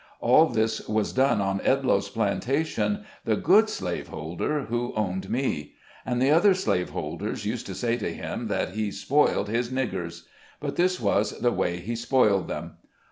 All this was done on Edloe's plantation, the good slave holder who owned me ; and the other slave holders used to say to him that he "spoiled his niggers "; but this was the way he spoiled them.